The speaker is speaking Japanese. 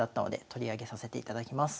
取り上げさせていただきます。